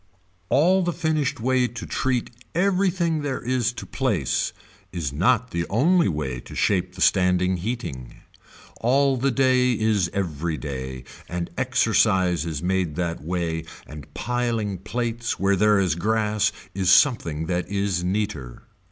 All the finished way to treat everything there is to place is not the only way to shape the standing heating. All the day is every day and exercise is made that way and piling plates where there is grass is something that is neater.